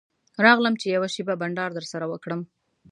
راغلم چې یوه شېبه بنډار درسره وکړم.